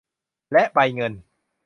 และใบเงิน